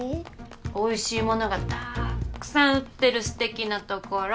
おいしいものがたっくさん売ってるすてきな所。